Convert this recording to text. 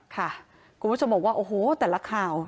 ค่ะกูก็จะบอกว่าโอ้โหแต่ละข่าว